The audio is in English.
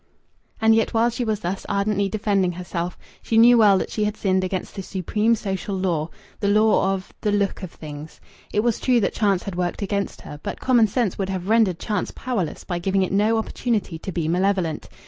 And yet while she was thus ardently defending herself she knew well that she had sinned against the supreme social law the law of "the look of things." It was true that chance had worked against her. But common sense would have rendered chance powerless by giving it no opportunity to be malevolent.